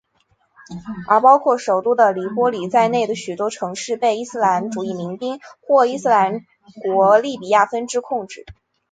而包括首都的黎波里在内的许多城市被伊斯兰主义民兵或伊斯兰国利比亚分支控制。